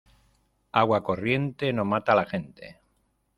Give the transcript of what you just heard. Agua corriente no mata a la gente.